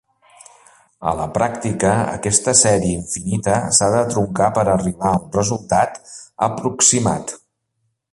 A la pràctica, aquesta sèrie infinita s'ha de truncar per arribar a un resultat aproximat.